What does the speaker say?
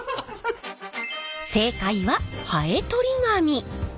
正解はハエとり紙。